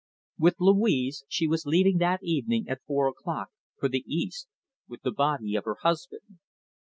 With Louise, she was leaving that evening, at four o'clock, for the East with the body of her husband.